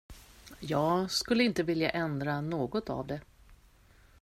Jag skulle inte vilja ändra något av det.